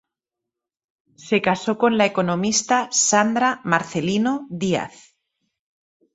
Se casó con la economista Sandra Marcelino Díaz.